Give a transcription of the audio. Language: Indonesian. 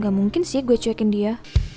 gak mungkin sih gue cekin dia